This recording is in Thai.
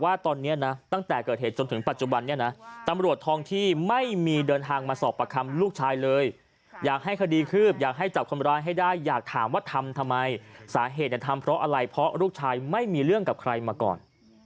ว่าตอนนี้นะตั้งแต่เกิดเหตุจนถึงปัจจุบันนี้นะตำรวจทองที่ไม่มีเดินทางมาสอบประคำลูกชายเลยอยากให้คดีคืบอยากให้จับคนร้ายให้ได้อยากถามว่าทำทำไมสาเหตุทำเพราะอะไรเพราะลูกชายไม่มีเรื่องกับใครมาก่อน